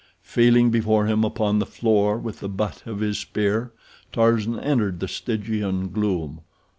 Feeling before him upon the floor with the butt of his spear, Tarzan entered the Stygian gloom.